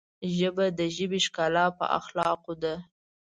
ژبه د ژبې ښکلا په اخلاقو ده